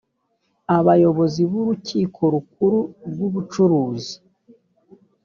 abayobozi b’urukiko rukuru rw’ubucuruzi